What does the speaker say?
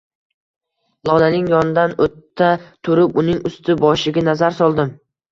Lolaning yonidan o`ta turib, uning usti-boshiga nazar soldim